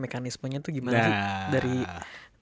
mekanismenya tuh gimana sih